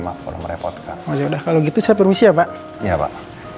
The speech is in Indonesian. malah merepotkan yaudah kalau gitu saya permisi ya pak ya pak